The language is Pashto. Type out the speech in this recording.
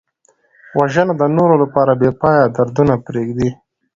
وژنه د نورو لپاره بېپایه دردونه پرېږدي